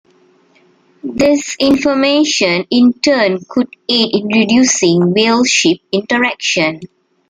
This information in turn could aid in reducing whale-ship interactions.